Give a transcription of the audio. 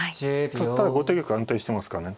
ただ後手玉安定してますからね。